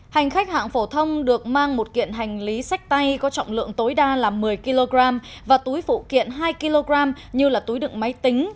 hành khách hạng phổ thông được mang một kiện hành lý sách tay có trọng lượng tối đa là một mươi kg và túi phụ kiện hai kg như túi đựng máy tính